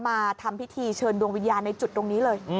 มาทำพิธีเชิญดวงวิญญาณในจุดตรงนี้เลย